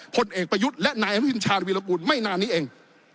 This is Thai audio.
ผลเอกประยุทธ์และนายอนุทินชาญวีรกูลไม่นานนี้เอง